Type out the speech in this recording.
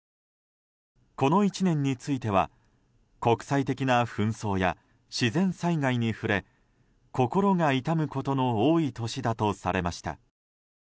この１年については国際的な紛争や自然災害に触れ心が痛むことの多い年だとされました。